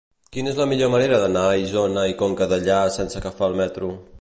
Quina és la millor manera d'anar a Isona i Conca Dellà sense agafar el metro?